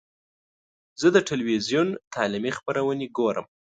زه د ټلویزیون تعلیمي خپرونې ګورم.